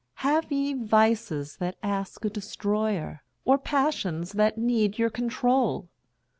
Have ye vices that ask a destroyer? Or passions that need your control?